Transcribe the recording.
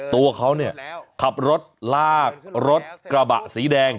ตัวเขาเนี่ยขับรถลากรถกระบะสีแดง